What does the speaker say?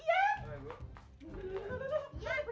wah mas joni